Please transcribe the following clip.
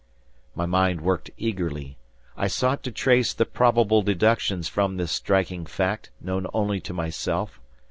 My mind worked eagerly. I sought to trace the probable deductions from this striking fact, known only to myself.